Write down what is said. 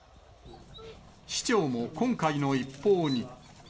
市長も今回の一報に。